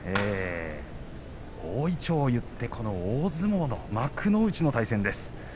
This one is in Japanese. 大いちょうを結って土俵の大相撲の幕内の対戦です。